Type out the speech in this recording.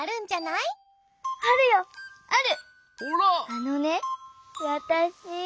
あのねわたし。